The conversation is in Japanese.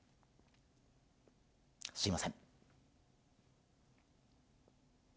すいません。